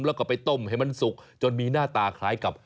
แล้วก็ไปต้มให้มันสุกจนมีหน้าตาคล้ายกับ